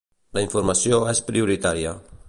La informació és prioritària.